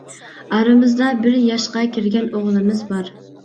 ئارىمىزدا بىر ياشقا كىرگەن ئوغلىمىز بار.